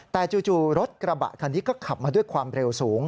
แต่จู่รถกระบะคันนี้ก็ขับมาด้วยความเร็วสูง